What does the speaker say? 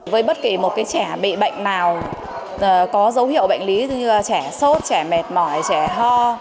với bất kỳ một trẻ bị bệnh nào có dấu hiệu bệnh lý như trẻ sốt trẻ mệt mỏi trẻ ho